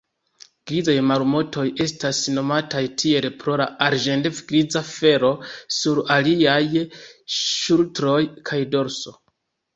Grizaj marmotoj estas nomataj tiel pro la arĝente-griza felo sur iliaj ŝultroj kaj dorso.